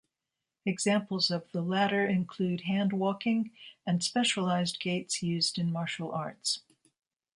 Examples of the latter include hand walking and specialized gaits used in martial arts.